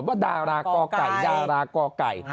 ว่าดารากอไก่ดารากอไก่